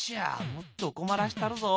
もっと困らしたるぞ。